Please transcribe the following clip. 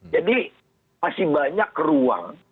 jadi masih banyak ruang